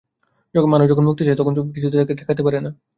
মানুষ যখন মুক্তি চায় তখন কিছুতেই তাকে ঠেকাতে পারে না।